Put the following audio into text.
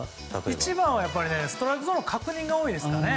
一番はストライクゾーンの確認が多いですかね。